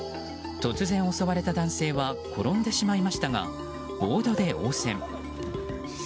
突然襲われた男性は転んでしまいましたがボードで応戦。